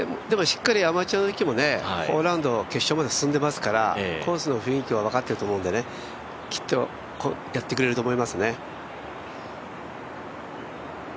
でもしっかりアマチュアのときも４ラウンド、決勝まで進んでますからコースの雰囲気は分かってると思うんできっとやってくれると思いますね。